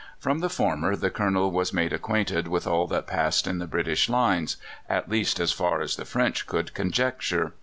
From the former the Colonel was made acquainted with all that passed in the British lines at least, as far as the French could conjecture.